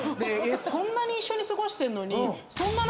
こんなに一緒に過ごしてんのに。